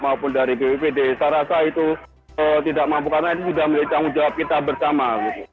maupun dari bppd saya rasa itu tidak mampu karena ini sudah menjadi tanggung jawab kita bersama